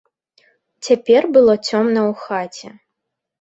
Цяпер было цёмна ў хаце.